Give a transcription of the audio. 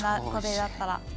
これだったら。